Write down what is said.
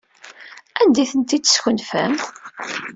Anda ay ten-id-teskenfem?